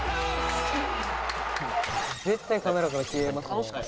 絶対カメラから消えますね。